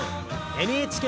ＮＨＫ